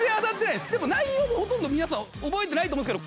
でも内容ほとんど皆さん覚えてないと思うんですけど。